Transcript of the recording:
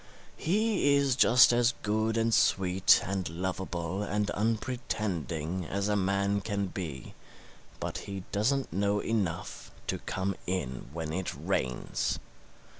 He is just as good and sweet and lovable and unpretending as a man can be, but he doesn't know enough to come in when it rains.